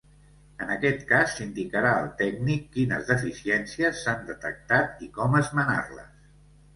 En aquest cas, s'indicarà al tècnic quines deficiències s'han detectat i com esmenar-les.